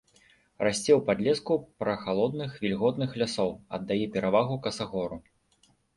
Расце ў падлеску прахалодных вільготных лясоў, аддае перавагу касагору.